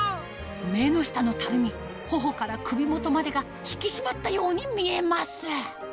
目の下のたるみ頬から首元までが引き締まったように見えます